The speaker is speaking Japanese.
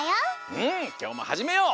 うんきょうもはじめよう！